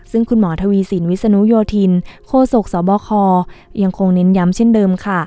ซึ่งคุณหมอทวีสินวิศนุโยธินโคศกสบคยังคงเน้นย้ำเช่นเดิมค่ะ